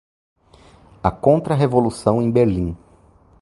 A Contra-Revolução em Berlim